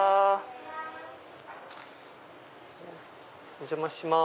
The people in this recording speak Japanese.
お邪魔します。